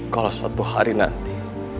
kalau suatu hari nanti